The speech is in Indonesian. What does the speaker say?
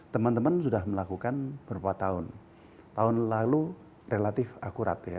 teman teman sudah melakukan beberapa tahun tahun lalu relatif akurat ya